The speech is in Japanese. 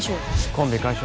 コンビ解消。